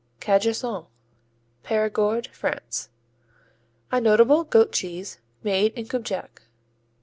Cajassou Périgord, France A notable goat cheese made in Cubjac.